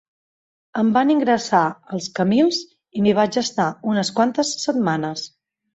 Em van ingressar als Camils i m'hi vaig estar unes quantes setmanes.